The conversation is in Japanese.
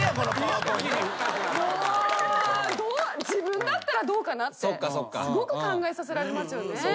自分だったらどうかなってすごく考えさせられますよね。